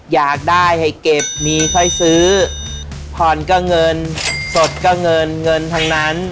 อยากได้ให้เก็บมีค่อยซื้อผ่อนก็เงินสดก็เงินเงินทั้งนั้น